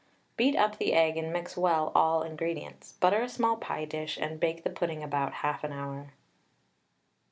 Beat up the egg and mix well all ingredients; butter a small pie dish, and bake the pudding about 1/2 hour.